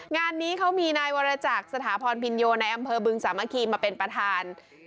งานนี้เขามีนายวรจักรสถาพรพินโยในอำเภอบึงสามัคคีมาเป็นประธาน